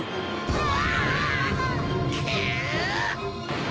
うわ！